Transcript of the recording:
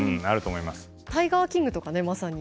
「タイガーキング」とかねまさに。